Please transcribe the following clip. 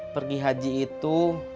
pergi haji itu